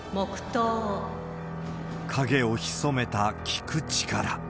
影を潜めた、聴く力。